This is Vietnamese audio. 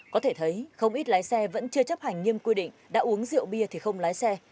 có thể thấy không ít lái xe vẫn chưa chấp hành nghiêm quy định đã uống rượu bia thì không lái xe